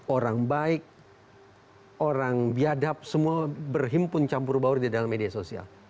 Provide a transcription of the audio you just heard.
orang baik orang biadab semua berhimpun campur baur di dalam media sosial